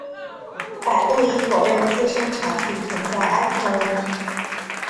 百度已否认自身产品存在安全问题。